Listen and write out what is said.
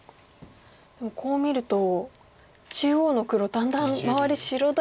でもこう見ると中央の黒だんだん周り白だらけに。